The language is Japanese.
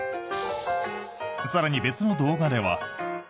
更に別の動画では。